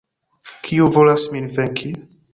Kiu volas min venki?